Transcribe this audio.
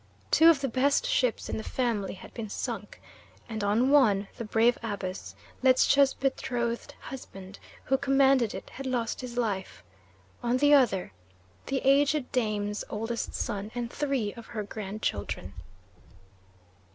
Two of the best ships in the family had been sunk, and on one the brave Abus, Ledscha's betrothed husband, who commanded it, had lost his life; on the other the aged dame's oldest son and three of her grandchildren.